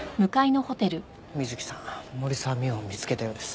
水木さん森沢未央を見つけたようです。